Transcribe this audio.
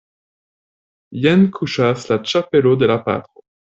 Jen kuŝas la ĉapelo de la patro.